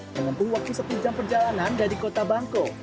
menempuh waktu sepuluh jam perjalanan dari kota bangko